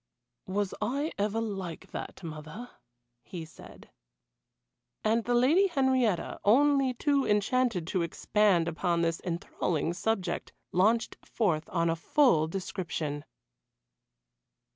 "Was I ever like that, mother?" he said. And the Lady Henrietta, only too enchanted to expand upon this enthralling subject, launched forth on a full description.